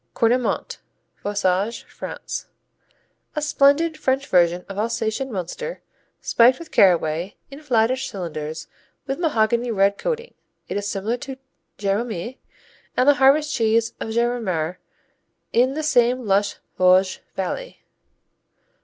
Cornimont Vosges, France A splendid French version of Alsatian Münster spiked with caraway, in flattish cylinders with mahogany red coating. It is similar to Géromé and the harvest cheese of Gérardmer in the same lush Vosges Valley.